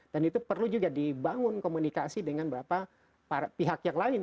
dan itu perlu juga dibangun komunikasi dengan beberapa pihak yang lain